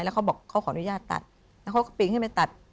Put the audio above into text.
แล้วเขาขออนุญาตตัดแล้วเขาก็ปีนให้ไปตัด